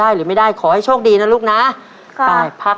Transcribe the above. ตัวเลือดที่๓ม้าลายกับนกแก้วมาคอ